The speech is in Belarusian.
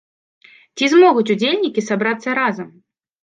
Ці змогуць удзельнікі сабрацца разам?